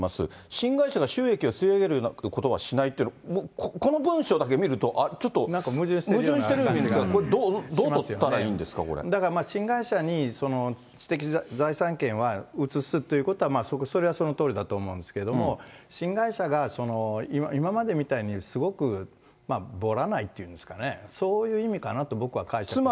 新会社が収益を吸い上げるようなことはしないっていうの、この文章だけ見ると、あっ、ちょっと矛盾してるように見えるんですが、だから、新会社に知的財産権は移すということは、それはそのとおりだと思うんですけど、新会社が今までみたいに、すごくぼらないっていうんですかね、そういう意味かなと僕は解釈します。